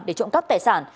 để trộm cắp tài sản